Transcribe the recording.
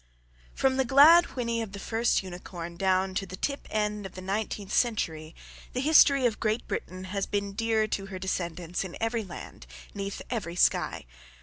] From the glad whinny of the first unicorn down to the tip end of the nineteenth century, the history of Great Britain has been dear to her descendants in every land, 'neath every sky.